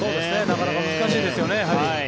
なかなか難しいですよね。